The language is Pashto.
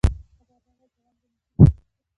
خبر راغے د غم منشي صاحب وفات شو